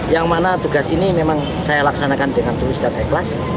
yang mana tugas ini memang saya laksanakan dengan tulus dan ikhlas